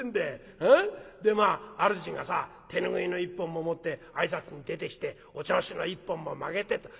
でまあ主がさ手拭いの１本も持って挨拶に出てきておちょうしの１本もまけてと。